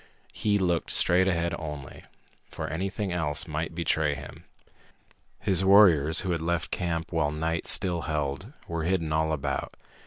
He looked straight ahead only, for anything else might betray him. His warriors, who had left camp while night still held, were hidden all about.